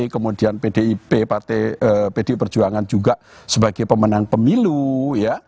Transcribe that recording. kemudian pdip partai pdi perjuangan juga sebagai pemenang pemilu ya